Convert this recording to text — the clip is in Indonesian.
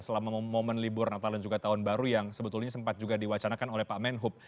selama momen libur natal dan juga tahun baru yang sebetulnya sempat juga diwacanakan oleh pak menhub